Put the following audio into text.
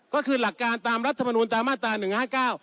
ก็คือหลักการตามรัฐบาลมูลตามมาตรา๑๕๙